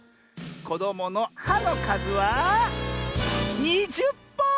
こどもの「は」のかずは２０ぽん！